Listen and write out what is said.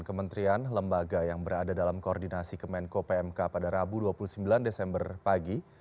kementerian lembaga yang berada dalam koordinasi kemenko pmk pada rabu dua puluh sembilan desember pagi